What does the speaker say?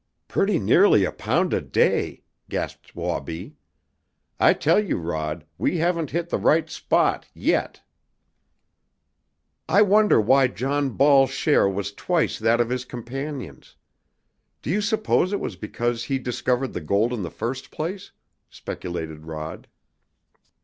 "Pretty nearly a pound a day!" gasped Wabi. "I tell you, Rod, we haven't hit the right spot yet!" "I wonder why John Ball's share was twice that of his companions'? Do you suppose it was because he discovered the gold in the first place?" speculated Rod.